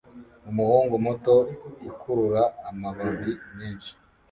Umuhungu muto ukurura amababi menshi